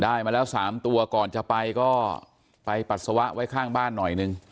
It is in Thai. มาแล้ว๓ตัวก่อนจะไปก็ไปปัสสาวะไว้ข้างบ้านหน่อยหนึ่ง